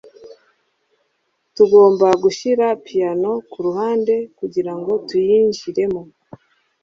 tugomba gushyira piyano kuruhande kugirango tuyinjiremo